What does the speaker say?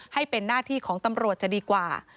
ให้เป็นหน้าที่ของตำรวจจะดีกว่า